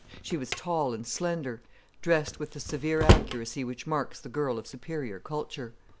She was tall and slender, dressed with the severe accuracy which marks the girl of superior culture.